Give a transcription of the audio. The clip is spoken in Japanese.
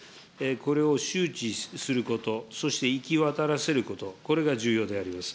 これを周知すること、そして行き渡らせること、これが重要であります。